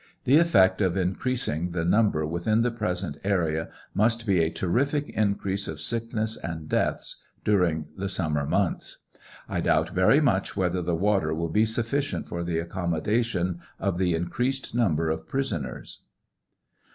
The effect of increasing the number within the present area must be a terrific increase of sickness and deaths during the summer months. »Idoubt very much whether the water will be sufficient for the accommodation of the increased number of prisoners.